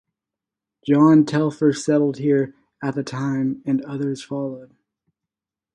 John Telfer settled here at that time and others followed.